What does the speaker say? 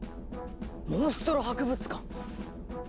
モンストロ博物館